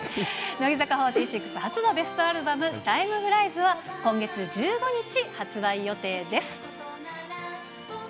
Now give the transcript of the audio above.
乃木坂初のベストアルバム、タイムフライズは今月１５日、発売予定です。